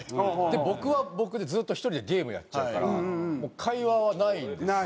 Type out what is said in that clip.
で僕は僕でずっと１人でゲームやっちゃうからもう会話はないんですよ。